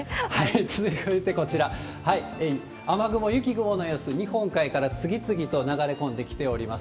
続いてこちら、雨雲、雪雲の様子、日本海から次々と流れ込んできております。